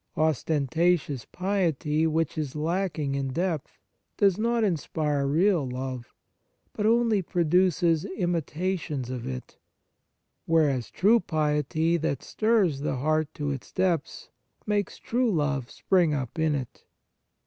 Osten tatious piety, which is lacking in depth, does not inspire real love, but only produces imitations of it, whereas true piety, that stirs the heart to its depths, makes true love spring up in it.